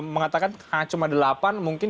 mengatakan cuma delapan mungkin